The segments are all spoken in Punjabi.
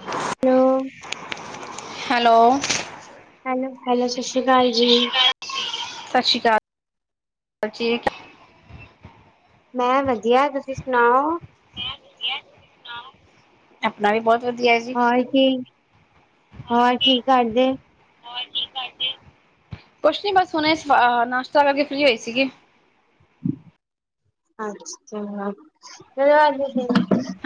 ਹੈਲੋ! ਹੈਲੋ! ਹੈਲੋ-ਹੈਲੋ ਸਤਿ ਸ਼੍ਰੀ ਅਕਾਲ ਜੀ। ਸਤਿ ਸ਼੍ਰੀ ਅਕਾਲ ਜੀ। ਮੈਂ ਵਧੀਆ, ਤੁਸੀਂ ਸੁਣਾਓ? ਆਪਣਾ ਵੀ ਬਹੁਤ ਵਧੀਆ। ਜੀ ਹੋਰ ਕੀ ਹੋਰ ਕੀ ਕਰਦੇ? ਕੁਛ ਨੀ ਬਸ ਹੁਣੇ ਨਾਸ਼ਤਾ ਕਰਕੇ ਫਰੀ ਹੋਈ ਸੀਗੀ। ਅੱਛਾ! ਤੇ ਹੋਰ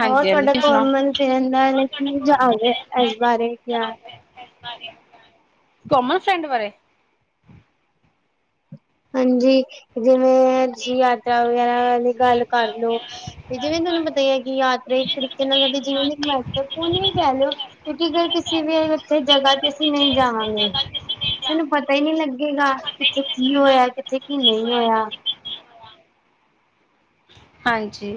ਹਾਂਜੀ ਹਾਂਜੀ ਤੁਹਾਡਾ ਤੁਸੀਂ ਸੁਣਾਓ ਘੁੰਮਨ ਫਿਰਦਾ ਕੀ ਜਾ ਇਸ ਬਾਰੇ ਕਿਆ? ਕੋਮਲ ਫਰੈਂਡ ਬਾਰੇ। ਹਾਂਜੀ ਜਿਵੇਂ ਯਾਤਰਾ ਵਗੈਰਾ ਦੀ ਗੱਲ ਕਰਲੋ। ਤੇ ਜਿਵੇਂ ਤੁਹਾਨੂੰ ਪਤਾ ਹੀ ਹੈ ਕਿ ਯਾਤਰਾ ਇੱਕ ਤਰੀਕੇ ਨਾਲ ਸਾਡੇ ਜੀਵਨ ਦੀ ਇੱਕ ਮਹੱਤਵਪੂਰਨ ਵੀ ਕਹਿ ਲਓ। ਕਿਉਂਕਿ ਫਿਰ ਕਿਸੇ ਵੀ ਉੱਥੇ ਜਗ੍ਹਾ ਤੇ ਅਸੀਂ ਨਹੀਂ ਜਾਵਾਂਗੇ। ਸਾਨੂੰ ਪਤਾ ਹੀ ਨਹੀਂ ਲੱਗੇਗਾ ਕਿੱਥੇ ਕੀ ਹੋਇਆ? ਕਿੱਥੇ ਕੀ ਨਹੀਂ ਹੋਇਆ? ਹਾਂਜੀ।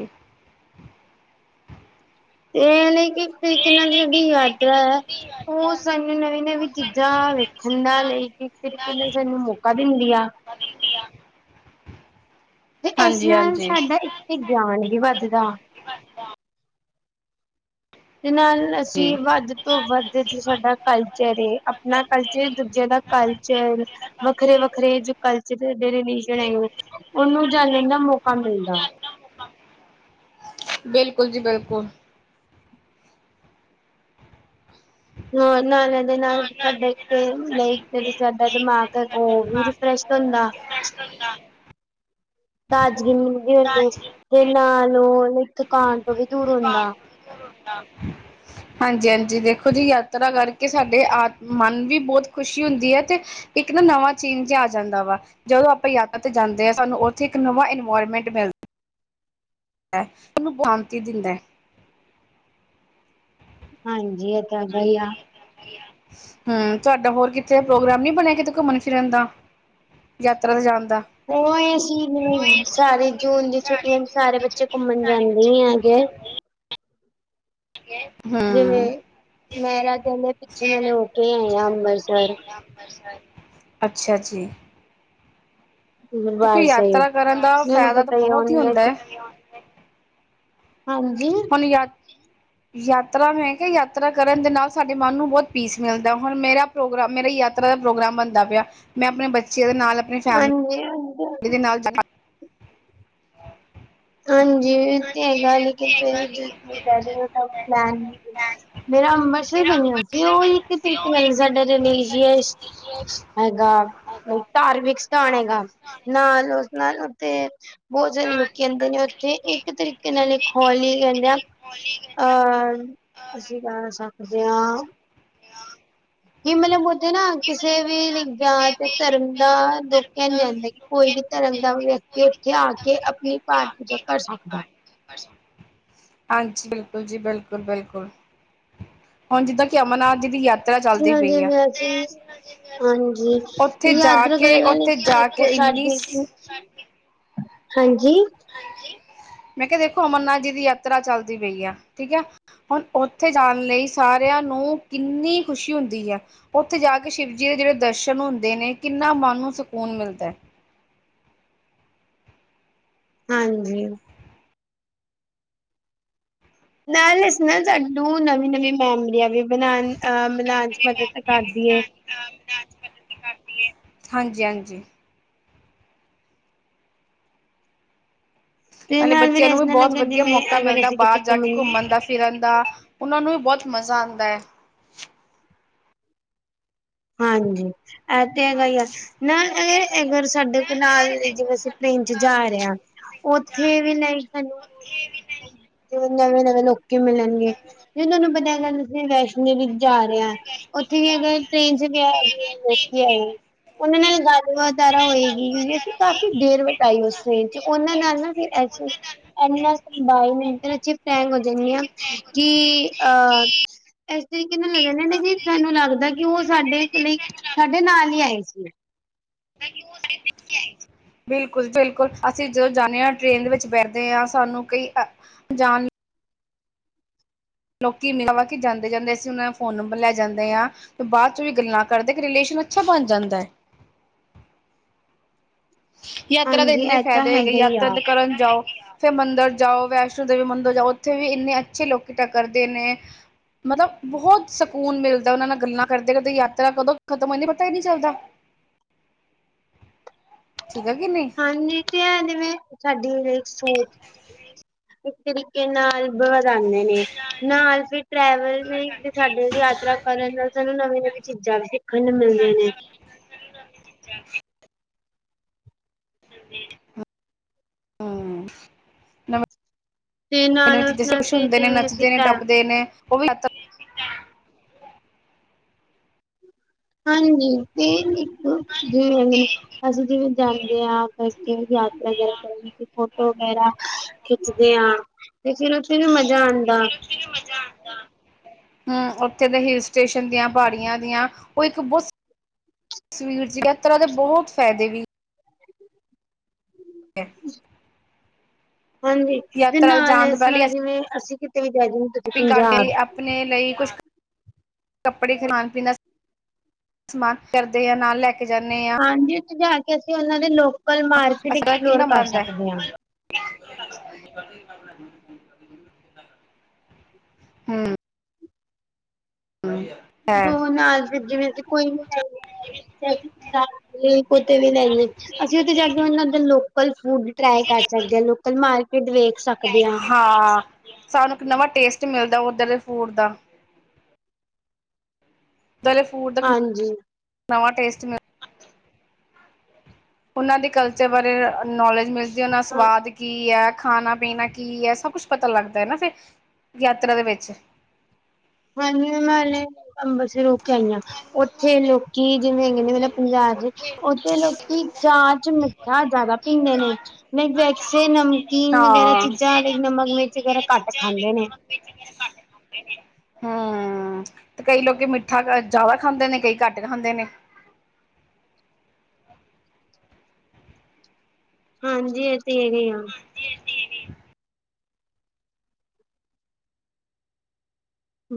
ਇਹ ਲਈ ਇੱਕ ਤਰੀਕੇ ਨਾਲ ਸਾਡੀ ਯਾਤਰਾ ਹੈ ਉਹ ਸਾਨੂੰ ਨਵੀਂ ਨਵੀਂ ਚੀਜ਼ਾਂ ਵੇਖਣ ਦਾ ਲਈ ਇੱਕ ਤਰੀਕੇ ਨਾਲ ਸਾਨੂੰ ਮੌਕਾ ਦਿੰਦੀ ਆ ਤੇ ਇਸ ਹਾਂਜੀ ਨਾਲ ਹਾਂਜੀ ਸਾਡਾ ਇੱਥੇ ਗਿਆਨ ਵੀ ਵੱਧਦਾ ਤੇ ਨਾਲ ਜੀ ਅਸੀਂ ਵੱਧ ਤੋਂ ਵੱਧ ਸਾਡਾ ਕਲਚਰ ਏ ਆਪਣਾ ਕਲਚਰ ਦੂਜਿਆਂ ਦਾ ਕਲਚਰ ਵੱਖਰੇ ਵੱਖਰੇ ਜੋ ਕਲਚਰ ਦੇ ਰਿਲੀਜ਼ ਹੈ ਉਹਨੂੰ ਜਾਣਣ ਦਾ ਮੌਕਾ ਮਿਲਦਾ ਬਿਲਕੁਲ ਜੀ ਬਿਲਕੁਲ ਹਾਂ ਨਾਲੇ ਦੇ ਨਾਲ ਸਾਡੇ ਸਾਡਾ ਦਿਮਾਗ ਉਹ ਵੀ ਪ੍ਰਸ਼ਸ਼ਨ ਹੁੰਦਾ ਦਾ [inaudible] ਤਾਜਗੀ ਮਿਲਦੀ ਉਹਨੂੰ ਤੇ ਨਾਲ ਉਹਨੇ ਥਕਾਨ ਤੋਂ ਵੀ ਦੂਰ ਹੁੰਦਾ ਹਾਂ ਹਾਂਜੀ-ਹਾਂਜੀ। ਦੇਖੋ ਜੀ ਯਾਤਰਾ ਕਰਕੇ ਸਾਡੇ ਆ ਮਨ ਵੀ ਬੋਤ ਖੁਸ਼ੀ ਹੁੰਦੀ ਐ ਤੇ ਇੱਕ ਨਾ ਨਵਾਂ ਚੇਂਜ ਆ ਜਾਂਦਾ ਵਾ ਜਦੋਂ ਆਪਾਂ ਯਾਤਰਾ ਤੇ ਜਾਂਦੇ ਹਾਂ ਸਾਨੂੰ ਉੱਥੇ ਇੱਕ ਨਵਾਂ ਇਨਵਾਇਰਮੈਂਟ ਮਿਲਦਾ ਉਹਨੂੰ ਬਾਂਤੀ ਦਿੰਦਾ ਹੈ ਹਾਂਜੀ ਇਹ ਤਾਂ ਹੈਗਾ ਹੀ ਆ ਹਮ ਤੁਹਾਡਾ ਹੋਰ ਕਿਤੇ ਪ੍ਰੋਗਰਾਮ ਨੀ ਬਣਿਆ ਕਿਤੇ ਘੁੰਮਣ ਫਿਰਨ ਦਾ ਯਾਤਰਾ ਤੇ ਜਾਣ ਦਾ ਉਹ ਅਸੀਂ ਸਾਰੇ ਜੂਨ ਦੀ ਛੁੱਟਟੀ ਹੁੰ ਸਾਰੇ ਬੱਚੇ ਘੁੰਮਣ ਜਾਂਦੇ ਹੀ ਹੈਗੇ ਹਾਂ ਹ ਜਿਵੇਂ ਮੇਰਾ ਕਿੰਦੇ ਪਿੱਛੇ ਮੈਨ ਹੋ ਕੇ ਆਏਆ ਅੰਮ੍ਰਿਤਸਰ ਅੱਛਾ ਜੀ ਦੇਖੋ ਦਰਬਾਰ ਸਾਹਿਬ ਯਾਤਰਾ ਕਰਨ ਦਾ ਮੈਨੂੰ ਫਾਇਦਾ ਤਾਂ ਪਤਾ ਬਹੁਤ ਹੀ ਉਹਨੇ ਹੁੰਦਾ ਹੈ ਹਾਂਜੀ ਹੁ ਯਾਦ ਯਾਤਰਾ ਮੈਂ ਕਿਹਾ ਯਾਤਰਾ ਕਰਨ ਦੇ ਨਾਲ ਸਾਡੇ ਮਨ ਨੂੰ ਬਹੁਤ ਪੀਸ ਮਿਲਦਾ ਹੁਣ ਮੇਰਾ ਪ੍ਰੋਗਰਾਮ ਮੇਰਾ ਯਾਤਰਾ ਦਾ ਪ੍ਰੋਗਰਾਮ ਬਣਦਾ ਪਿਆ ਮੈਂ ਆਪਣੇ ਬੱਚਿਆਂ ਦੇ ਨਾਲ ਫੈ ਹਾਂਜੀ ਨਾਲ ਹਾਂਜੀ, ਇਹ ਤੇ ਹੈਗਾ, ਲੇਕਿਨ ਫਿਰ ਵੀ ਮੇਰਾ ਅੰਮਰਿਤਸਰ ਬਣਿਆ ਸੀ, ਔ ਇੱਕ ਤਰੀਕੇ ਨਾਲ ਸਾਡਾ ਰਿਲੀਜੀਅਸ ਹੈਗਾ, ਲਾਇਕ ਧਾਰਮਿਕ ਸਥਾਨ ਹੈਗਾ, ਨਾਲ ਉਸ ਨਾਲ ਤੇ ਬਹੁਤ ਸਾਰੇ ਲੋਕੀ ਆਂਦੇ ਨੇ ਉੱਥੇ, ਇੱਕ ਤਰੀਕੇ ਨਾਲ ਇੱਕ ਹੌਲ ਹੀ ਹੈ। ਕਹਿੰਦੇ ਅਹ, ਅਸੀਂ ਕਾਰਾਂ ਸਾਫ ਕਰਦੇ ਆਂ। ਕੀ ਮਤਲਬ ਉੱਥੇ ਨਾ ਕਿਸੇ ਵੀ ਜਾਤ ਧਰਮ ਦਾ ਲੋਕਿਆ ਨੀ ਜਾਂਦਾ ਕੋਈ ਵੀ ਧਰਮ ਦਾ ਵਿਅਕਤੀ ਉੱਥੇ ਆ ਕੇ ਆਪਣੀ ਪਾਠ ਪੂਜਾ ਕਰ ਸਕਦਾ ਹਾਂਜੀ ਬਿਲਕੁਲ ਜੀ ਬਿਲਕੁਲ ਬਿਲਕੁਲ, ਹੁਣ ਜਿੱਦਾਂ ਕਿ ਅਮਰਨਾਥ ਜੀ ਦੀ ਯਾਤਰਾ ਚੱਲਦੀ ਜਿਨ੍ਹਾਂ ਪਈ ਆ ਜਿਨ੍ਹਾਂ ਚਿਰ ਹਾਂਜੀ ਤੇ ਉੱਥੇ ਜਾ ਅਦਰ ਕੇ ਗੱਲਾਂ ਨਾਲ,, ਉੱਥੇ ਜਾ ਦੇਖੋ ਕੇ ਇੰਨੀ ਸਾਡੀ ਹਾਂਜੀ ਮੈਂ ਕਿਹਾ ਦੇਖੋ ਅਮਰਨਾਥ ਜੀ ਦੀ ਯਾਤਰਾ ਚੱਲਦੀ ਪਈ ਆ, ਠੀਕ ਹੈ। ਹੁਣ ਉੱਥੇ ਜਾਣ ਲਈ ਸਾਰਿਆਂ ਨੂੰ ਕਿੰਨੀ ਖ਼ੁਸ਼ੀ ਹੁੰਦੀ ਹੈ। ਉੱਥੇ ਜਾ ਕੇ ਸ਼ਿਵਜੀ ਦੇ ਜਿਹੜੇ ਦਰਸ਼ਨ ਹੁੰਦੇ ਨੇ, ਕਿੰਨਾ ਮਨ ਨੂੰ ਸਕੂਨ ਮਿਲਦਾ ਹੈ। ਹਾਂਜੀ ਨਾਲੇ ਇਸ ਨਾਲ, ਸਾਨੂੰ ਨਵੀਂ ਨਵੀਂ ਮੈਮਰੀਆਂ ਵੀ ਬਣਾਉਣ, ਬਣਾਉਣ ਚ, ਮਦਦ ਤੇ ਕਰਦੀ ਹੈ। ਹਾਂਜੀ ਹਾਂਜੀ ਤੇ ਨਾਲੇ ਨਾਲ ਫਿਰ ਬੱਚਿਆਂ ਨੂੰ ਇਸ ਵੀ ਨਾਲ ਬਹੁਤ ਅਗਰ ਵਧੀਆ ਜਿਵੇਂ ਮੌਕਾ ਅਗਰ ਮਿਲਦਾ, ਅਸੀਂ ਕਿਤੇ ਬਾਹਰ ਜਾ ਕੇ ਘੁੰਮਣ ਦਾ। ਫਿਰਨ ਦਾ, ਉਹਨਾਂ ਨੂੰ ਵੀ ਬਹੁਤ ਮਜ਼ਾ ਆਉਂਦਾ ਹੈ। ਹਾਂਜੀ ਇਹ ਤੇ ਹੈਗਾ ਹੀ ਆ, ਨਾ ਅ ਅਗਰ ਸਾਡੇ ਕੋਲ ਨਾਲ ਜਿਵੇਂ ਅਸੀਂ ਪਲੇਨ ਚ ਜਾ ਰਹੇ ਹਾਂ। ਉੱਥੇ ਵੀ ਨਹੀਂ ਜਿਵੇੰ ਨਵੇਂ ਨਵੇਂ ਲੋਕੀ ਮਿਲਣਗੇ, ਜਿਨਾਂ ਨੂੰ ਪਤਾ ਹੈਗਾ, ਉੱਥੇ ਰਸ਼ ਜਾ ਰਿਹਾ ਉੱਥੇ ਵੀ, ਅਗਰ ਟ੍ਰੇਨ ਚ ਗਿਆ ਲੋਕੀ ਹੈਗੇ, ਉਹਨਾਂ ਨਾਲ ਗੱਲ ਵਤਾਰਾ ਹੋਏਗੀ ਕਿਉਂਕਿ ਅਸੀਂ ਕਾਫ਼ੀ ਦੇਰ ਬਤਾਈ ਉਸਨੇ, ਤੇ ਉਹਨਾਂ ਨਾਲ ਨਾ ਫਿਰ ਐਸੀੇ ਇੰਨਾ ਬਾਈ ਮਿੰਟ ਚ ਟੈਂਗ ਹੋ ਜਾਂਦੀ ਆ, ਕਿ ਅਹ ਇਸ ਤਰੀਕੇ ਨਾਲ ਲੱਗਣਾ ਕੀ ਤੁਹਾਨੂੰ ਲੱਗਦਾ ਕਿ ਉਹ ਸਾਡੇ ਲਈ, ਸਾਡੇ ਨਾਲ ਹੀ ਆਏ ਸੀ [inaudible] ਬਿਲਕੁਲ ਬਿਲਕੁਲ ਅਸੀਂ ਜਦੋਂ ਜਾਨੇ ਹਾਂ, ਟ੍ਰੇਨ ਦੇ ਵਿੱਚ ਬੈਠਦੇ ਹਾਂ, ਸਾਨੂੰ ਕਈ [inaudible] ਲੋਕੀ ਮੈਨੂੰ ਆਹ ਕਿ ਜਾਂਦੇ ਜਾਂਦੇ, ਅਸੀਂ ਉਹਨਾਂ ਦਾ ਫੋਨ ਨੰਬਰ ਲੈ ਜਾਂਦੇ ਹਾਂ ਬਾਅਦ ਚ ਵੀ ਗੱਲਾਂ ਕਰਦੇ, ਕਿ ਰਿਲੇਸ਼ਨ ਅੱਛਾ ਬਣ ਜਾਂਦਾ ਹੈ। ਯਾਤਰਾ ਦੇ ਹਾਂਜੀ ਇੰਨੇ ਇਹ ਤਾਂ ਫਾਇਦੇ ਹੈਗੇ, ਹੈਗਾ ਹੀ ਯਾਤਰਾ ਆ। ਤੇ ਕਰਨ ਜਾਓ ਫੇਰ ਮੰਦਿਰ ਜਾਓ, ਵੈਸ਼ਨੋ ਦੇਵੀ ਮੰਦਿਰ ਜਾਓ, ਉੱਥੇ ਵੀ ਇੰਨੇ ਅੱਛੇ ਲੋਕ ਟੱਕਰਦੇ ਨੇ ਮਤਲਬ ਬਹੁਤ ਸਕੂਨ ਮਿਲਦਾ, ਉਹਨਾਂ ਨਾਲ ਗੱਲਾਂ ਕਰਦੇ ਕਰਦੇ ਯਾਤਰਾ ਕਦੋਂ ਖਤਮ ਹੋ ਜਾਂਦੀ, ਪਤਾ ਹੀ ਨਹੀਂ ਚੱਲਦਾ। ਠੀਕ ਆ ਕਿ ਨਹੀਂ ਹਾਂਜੀ ਕੀ ਹੈ, ਜਿਵੇਂ ਸਾਡੀ ਸੋਚ ਇਸ ਤਰੀਕੇ ਨਾਲ ਵਧਾਉਂਦੇ ਨੇ। ਨਾਲ ਫਿਰ ਟਰੈਵਲ ਵੀ, ਸਾਡੀ ਯਾਤਰਾ ਕਰਨ ਨਾਲ ਸਾਨੂੰ ਨਵੀਂ ਨਵੀਂ ਚੀਜ਼ਾਂ, ਵੀ ਸਿੱਖਣ ਨੂੰ ਮਿਲਦੀਆਂ ਨੇ। ਹਾਂ ਨ ਤੇ ਨਵੇਂ ਨਾਲ ਉਸ ਚੀਜਾਂ ਨਾਲ ਕੁਛ ਫਿਰ ਹੁੰਦੇ ਨੇ, ਜਿਵੇਂ ਅਸੀਂ ਨੱਚਦੇ ਨੇ ਟੈ ਟੱਪਦੇ ਨੇ, ਉਹ ਵੀ ਹਾਂਜੀ ਤੇ ਜਿਵੇਂ ਕਹਿੰਦੇ ਨੇ, ਅਸੀਂ ਜਿਵੇਂ ਜਾਂਦੇ ਆ ਕੀ ਯਾਤਰਾ ਕਰਨ ਵੀ, ਫੋਟੋ ਵਗੈਰਾ ਖਿੱਚਦੇ ਹਾਂ, ਤੇ ਫਿਰ ਉੱਥੇ ਵੀ ਮਜ਼ਾ ਆਉਂਦਾ। ਹੂ, ਉੱਥੇ ਦੇ ਹਿਲ ਸਟੇਸ਼ਨ ਦੀਆਂ, ਪਹਾੜੀਆਂ ਦੀਆਂ, ਉਹ ਇੱਕ ਬਹੁਤ ਸਵੀਟਸ ਜੀ, ਐਸ ਤਰ੍ਹਾਂ ਦੇ ਬਹੁਤ ਫਾਇਦੇ ਵੀ [inaudible] ਹਾਂਜੀ ਤੇ ਯਾਤਰਾ ਨਾਲ ਜਾਣ ਤੋਂ ਇਸ ਪਹਿਲੇ ਨਾਲ, ਜਿਵੇਂ ਅਸੀਂ ਕਿਤੇ ਵੀ ਜਾਈਏ। ਸ਼ੋਪਿੰਗ ਕਰਦੇ, ਆਪਣੇ ਲਈ ਕੁਛ ਕੱਪੜੇ, ਖਾਣ- ਪੀਣ ਦਾ ਸਮਾਨ ਸਮਾਨ ਕਰਦੇ ਹਾਂ, ਨਾਲ ਲੈ ਕੇ ਜਾਨੇ ਆਂ। ਹਾਂਜੀ, ਉੱਥੇ ਜਾ ਕੇ ਅਸੀਂ ਉਹਨਾਂ ਦੇ ਲੋਕਲ ਮਾਰਕੀਟ ਅਸਰਾ ਐਕਸਪਲੋਰ ਕਿੰਨਾ ਕਰ ਮਰਦਾ ਸਕਦੇ ਹਾਂ। [inaudible] ਹੂੰ, ਹਾਂ ਦੋ ਨਾਲ ਜਿਵੇਂ ਕੋਈ ਵੀ ਇਹ, ਉਥੇ ਦੀ ਲੈਂਗੁਵੇਜ ਅਸੀਂ ਉੱਥੇ ਜਾ ਕੇ ਉਹਨਾਂ ਦੇ ਲੋਕਲ ਫੂਡ ਟਰਾਈ ਕਰ ਸਕਦੇ ਹਾਂ, ਲੋਕਲ ਮਾਰਕੀਟ ਵੇਖ ਸਕਦੇ ਹਾਂ। ਹਾਂ, ਸਾਨੂੰ ਇੱਕ ਨਵਾਂ ਟੇਸਟ ਮਿਲਦਾ, ਉੱਧਰ ਦੇ ਫੂਡ ਦਾ। ਉਥੋਂ ਦੇ ਫੂਡ ਦਾ, ਹਾਂਜੀ ਨਵਾਂ ਟੇਸਟ ਮਿਲ ਉਹਨਾਂ ਦੀ ਕਲਚਰ ਬਾਰੇ ਨੌਲੇਜ ਮਿਲਦੀ ਐ, ਉਹਨਾਂ ਹਾਂ ਸਵਾਦ ਈ ਕੀ ਐ? ਖਾਣਾ ਪੀਣਾ ਕੀ ਐ, ਸਭ ਕੁਛ ਪਤਾ ਲੱਗਦਾ ਐ ਨਾ ਫਿਰ ਯਾਤਰਾ ਦੇ ਵਿੱਚ। ਹਾਂਜੀ, ਮੈਂ ਹੁਣੇ ਅੰਬਰਸਰ ਹੋ ਕੇ ਆਈ ਆਂ, ਉੱਥੇ ਲੋਕੀ ਜਿਵੇਂ ਹੈਗੇ ਨੇ ਮਤਲਬ ਪੰਜਾਬ ਉੱਥੇ ਲੋਕੀ ਚਾਹ ਚ ਮਿੱਠਾ ਜ਼ਿਆਦਾ ਪੀਂਦੇ ਨੇ। ਮੈਂ ਵੈਸੇ ਨਮਕੀਨ ਵਗੈਰਾ ਚੀਜ਼ਾਂ, ਲੇਕਿਨ ਨਮਕ ਮਿਰਚ ਵਗੈਰਾ ਘੱਟ ਖਾਂਦੇ ਨੇ। ਮਿਰਚ ਵਗੈਰਾ ਘੱਟ ਹਾਂ, ਤੇ ਕਈ ਲੋਕ ਮਿੱਠਾ ਜ਼ਿਆਦਾ ਖਾਂਦੇ ਨੇ, ਕਈ ਘੱਟ ਖਾਂਦੇ ਨੇ। ਹਾਂਜੀ, ਇਹ ਤੇ ਹੈਗੇ ਆ।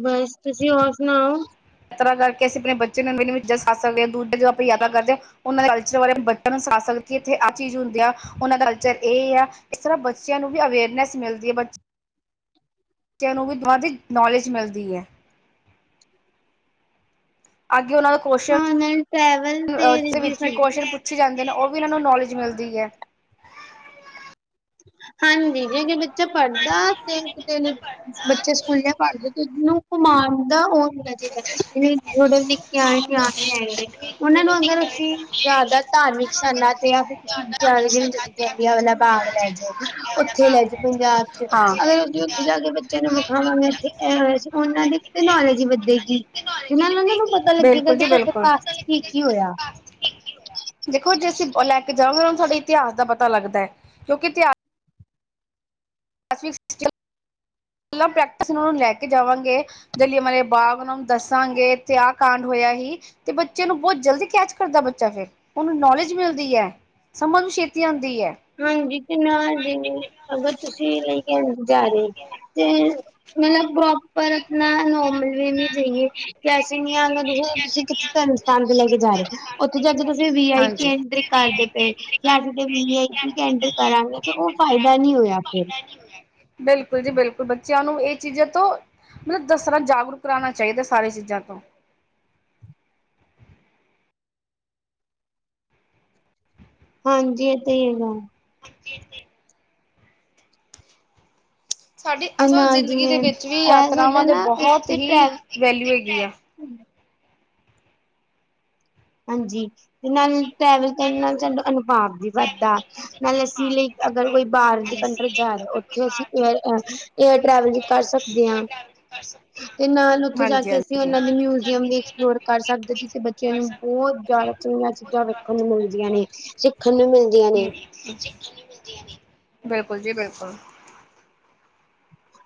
ਬਸ, ਤੁਸੀਂ ਹੋਰ ਸੁਣਾਓ। ਯਾਤਰਾ ਕਰਕੇ ਅਸੀ ਆਪਣੇ ਬੱਚੇ ਨੂੰ ਵੀ ਦੱਸ ਸਕਦੇ, ਉੱਡ ਜਾ ਭਈ ਆਪਾਂ ਆਹ ਤਾਂ ਕਰਜਾ। ਉਹਨਾਂ ਦੇ ਕਲਚਰ ਬਾਰੇ ਬੱਚਿਆਂ ਨੂੰ ਸੱਸ ਸਕੇ, ਕਿ ਇੱਥੇ ਆਹ ਚੀਜ਼ ਹੁੰਦੀ ਆ। ਉਹਨਾਂ ਦਾ ਕਲਚਰ ਇਹ ਆ, ਇਸ ਤਰ੍ਹਾਂ ਬੱਚਿਆਂ ਨੂੰ ਵੀ ਅਵੇਅਰਨੈਸ ਮਿਲਦੀ ਐ, ਬ [unintelligible] ਬੱਚਿਆਂ ਨੂੰ ਵੀ ਬਹੁਤ ਈ ਨੌਲੇਜ ਮਿਲਦੀ ਐ। ਅੱਗੇ ਉਹਨਾਂ ਦਾ ਕੁਅਸ਼ਚਨ, ਹਾਂ ਨਾਲ ਟਰੈਵਲ ਤੇ ਉਹਦੇ ਰਿਵਿਊ ਵਿੱਚ ਵੀ ਸਾਡੀ ਕੁਸ਼ਅਚਨ ਪੁੱਛ ਪੁੱਛੇ ਜਾਂਦੇ ਨੇ, ਉਹ ਵੀ ਇਹਨਾਂ ਨੂੰ ਨੌਲੇਜ ਮਿਲਦੀ ਐ। ਹਾਂਜੀ, ਜੇ ਕੋਈ ਬੱਚਾ ਪੜ੍ਹਦਾ, ਤੇ ਕਿਤੇ ਬੱਚੇ ਸਕੂਲੇ ਪੜ੍ਹਦੇ ਤਾਨੂੰ ਘੁਮਾਣ ਦਾ ਉਹ ਹੋਣਾ ਚਾਹੀਦਾ, ਜਿਵੇਂ ਥੋਡੇ ਨਿੱਕੇ ਆਣੇ ਨਿਆਣੇ ਹੈਗੇ। ਉਹਨਾਂ ਨੂੰ ਅਗਰ, ਅਸੀਂ ਜ਼ਿਆਦਾ ਧਾਰਮਿਕ ਸਥਾਨਾਂ, ਤੇ ਫਿਰ ਤੁਸੀਂ ਜਾਂ ਜਿਵੇਂ ਅਗਲਾ ਜਾਂਦੇ ਬਾਗ ਲੈਜੇ। ਉੱਥੇ ਲੈਜੇ ਪੰਜਾਬ ਚ। ਹਾਂ। ਅਗਰ ਉੱਥੇ ਜਾ ਕੇ ਬੱਚਿਆਂ ਨੂੰ ਵਿਖਾਵਾਂਗੇ, ਇਥੇ ਹੋਇਆ ਸੀ, ਉਹਨਾਂ ਦੀ ਤੇ ਨੌਲੇਜ ਹੀ ਵਧੇਗੀ। ਤੇ ਨਾਲ ਉਹਨਾਂ ਨੂੰ ਪਤਾ ਲੱਗੇਗਾ, ਬਿਲਕੁਲ ਕਿ ਸਾਡੇ ਪਾਸਟ ਚ ਕੀ-ਕੀ ਹੋਇਆ। ਫੇਰ ਕੀ ਹੋਇਆ, ਦੇਖੋ ਜੇ ਅਸੀਂ ਲੈ ਕੇ ਜਾਵਾਂਗੇ, ਉਹਨਾਂ ਨੂੰ ਥੋਡੇ ਇਤਿਹਾਸ ਦਾ ਪਤਾ ਲੱਗਦਾ, ਕਿਉਂਕਿ ਇਤਿਹਾਸ ਅਸੀਂ ਸਟਿਲ ਪ੍ਰੈਕਟਿਸ ਉਹਨਾਂ ਨੂੰ ਲੈ ਕੇ ਜਾਵਾਂਗੇ। ਜਲ੍ਹਿਆਂ ਵਾਲੇ ਬਾਗ ਉਹਨਾਂ ਨੂੰ ਦੱਸਾਂਗੇ, ਇੱਥੇ ਆਹ ਕਾਂਡ ਹੋਇਆ ਸੀ। ਤੇ ਬੱਚੇ ਨੂੰ ਬਹੁਤ ਜਲਦੀ ਕੈਚ ਕਰਦਾ ਬੱਚਾ, ਫਿਰ ਉਹਨੂੰ ਨੌਲੇਜ ਮਿਲਦੀ ਐ। ਸਮਝ ਛੇਤੀ ਆਂਦੀ ਐ। ਹਾਂਜੀ ਤੇ ਨਾਲ ਦੇ ਅਗਰ ਤੁਸੀਂ ਲੇ ਕੇ ਜਾ ਰਹੇ ਹੋ। ਤੇ ਮਤਲਬ ਪ੍ਰੋਪਰ ਆਪਣਾ ਨੋਰਮਲ ਵੇਅ ਮੇ ਜਾਈਏ। ਕੈਸੇ ਨੀ ਆਂ, ਤੁਸੀਂ ਕਿੱਥੇ ਧਰਮ ਸਥਾਨ ਤੇ ਲੈ ਕੇ ਜਾ ਰਹੇ ਤੀ, ਉੱਥੇ ਜਾ ਕੇ ਤਾਂ ਤੁਸੀਂ ਉਥੇ ਵੀ ਆਈ ਪੀ ਹਾਂਜੀ। ਐਂਟਰੀ ਕਰਦੇ ਪਏ, ਜਾਂ ਫਿਰ ਵੀ ਆਈ ਪੀ ਠੀਕ ਐਂਟਰ ਕਰਾਂਗੇ, ਤੇ ਉਹ ਫਾਇਦਾ ਨੀ ਹੋਇਆ ਫੇਰ। ਬਿਲਕੁਲ ਜੀ ਬਿਲਕੁਲ, ਬੱਚਿਆਂ ਨੂੰ ਇਹ ਚੀਜ਼ਾਂ ਤੋਂ ਮਤਲਬ ਦੱਸਣਾ, ਜਾਗਰੂਕ ਕਰਾਣਾ ਚਾਹੀਦਾ ਸਾਰੀਆਂ ਚੀਜ਼ਾਂ ਤੋਂ। ਹਾਂਜੀ, ਇਹ ਤੇ ਹੀ ਹੈਗਾ। ਹਾਂਜੀ ਇੱਥੇ ਸਾਡੀ ਤੇ ਅਸਲ ਨਾਲ ਜ਼ਿੰਦਗੀ ਦੇ ਜਿਵੇਂ ਵਿੱਚ ਵੀ, ਇਹ ਯਾਤਰਾਵਾਂ ਸਾਡਾ ਦੇ ਨਾ ਇੱਕ ਬਹੁਤ ਤੇ ਹੀ ਟਰੈ ਵੈਲਊ ਹੈਗੀ ਆ। ਹਾਂਜੀ, ਤੇ ਨਾਲ ਟਰੈਵਲ ਕਰਨ ਨਾਲ ਸਾਡਾ ਅਨੁਭਾਵ ਵੀ ਵੱਧਦਾ। ਨਾਲੇ ਅਸੀਂ ਲਈ ਅਗਰ ਕੋਈ ਬਾਹਰ ਦੀ ਕੰਟਰੀ ਜਾ ਰਹੇ ਆਂ, ਉੱਥੇ ਅਸੀਂ ਏਅਰ ਅ ਏਅਰ ਟੈਵਲ ਈ ਕਰ ਸਕਦੇ ਆਂ, ਤੇ ਨਾਲ ਉਥੇ ਜਾ ਹਾਂਜੀ ਕੇ ਹਾਂਜੀ। ਅਸੀਂ ਉਹਨਾਂ ਦੀ ਮਿਊ ਵੀ ਐਕਸਪਲੋਰ ਕਰ ਸਕਦਾ ਜਿੱਥੇ ਬੱਚਿਆਂ ਨੂੰ ਬਹੁਤਿਆਦਾ ਚੰੀਆਂ ਚੀਜ਼ਾਂ ਸਿੱਖਣ ਨੂੰ ਮਿਲਦੀਆਂ ਨੇ ਸਿੱਖਣ ਨੂੰ ਮਿਲਦੀਆਂ ਨੇ ਬਿਲਕੁਲ ਜੀ ਬਿਲਕੁਲ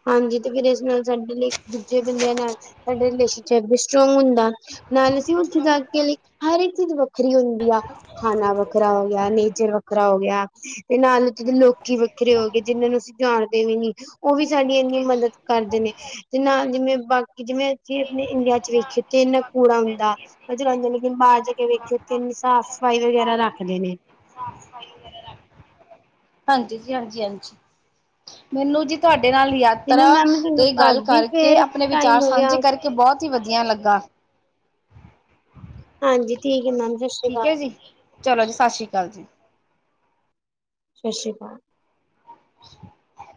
ਹਾਂਜੀ ਤੇ ਫੇਿਰ ਇਸ ਨਾਲ ਸਾਡੇ ਲਈ ਦੂਜੇ ਬੰਦਿਆਂ ਨਾਲ ਸਾਡੇਲੇਚੈਪ ਵੀ ਸਟਰੋਂਗ ਹੁੰਦਾ ਨਾਲ ਅਸੀਂ ਉੱਥੇ ਜਾ ਕੇ ਲੇ ਹਰ ਇੱਕ ਚੀਜ਼ ਵੱਖਰੀ ਹੁੰਦੀ ਆ ਖਾਣਾ ਵੱਖਰਾ ਹੋ ਗਿਆ ਨੇਚਰ ਵੱਖਰਾ ਹੋ ਗਿਆ ਤੇ ਨਾਲ ਉਥ ਦੇ ਲੋਕੀ ਵੱਖਰੇ ਹੋ ਗਏ ਜਿਹਨਾਂ ਨੂੰ ਅਸੀਂ ਜਾਣਦੇ ਵੀ ਨੀ ਉਹ ਵੀ ਸਾਡੀ ਇੰਨੀ ਮਦਦ ਕਰਦੇ ਨੇ ਤੇ ਨਾਲ ਜਿਵੇਂ ਬਾਕੀ ਜਿਵੇਂ ਜ ਆਪਣੇ ਇੰਡੀਆ ਚ ਵੇਖੇਥ ਇਨਾ ਪੂਰਾ ਹੁੰਦਾ ਜ਼ਉਦੇ ਲੇਕਿਨ ਬਾਹਰ ਜਾ ਕੇ ਵੇਖੇ ਤਨ ਸਾਫ਼ ਸਫ਼ਾਈ ਵਗੈਰਾ ਰੱਖਦੇ ਨੇ ਸਸਫਾਈ ਵਗ ਹਾਂਜੀ ਜੀ ਹਾਂਜੀ ਹਾਂਜੀ ਮੈਨੂੰ ਜੀ ਤੁਹਾਡੇ ਨਾਲ ਲ ਆ ਤੇ ਨਾ ਯਾਤਰਾ ਮੈਮ ਮੈਂ ਤੁਹਾਨੂੰ ਤੇ ਗੱਲ ਕਰਦੀ ਕਰਕੇ ਫੇਰ ਆਪਣੇ ਵਿਚਾਰ ਟਾਈਮ ਹੋ ਗਿਆ ਸਾਂਝੇ ਕਰਕੇ ਬਹੁਤ ਹੀ ਵਧੀਆ ਲੱਗਾ ਹਾਂਜੀ ਠੀਕ ਹੈ ਮੈਮ ਸਤਿ ਸ਼੍ਰੀ ਠੀਕ ਅਕਾਲ ਹੈ ਜੀ ਚਲੋ ਜੀ ਸਤਿ ਸ਼੍ਰੀ ਅਕਾਲ ਜੀ ਸਤਿ ਸ਼੍ਰੀ ਅਕਾਲ ਹਾਂ